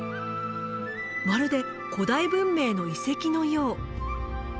まるで古代文明の遺跡のよう。